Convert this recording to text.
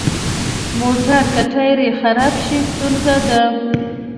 موټر که ټایر یې خراب شي، ستونزه ده.